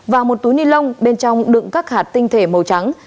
và một túi ni lông bên trong đựng các hạt tinh thể màu trắng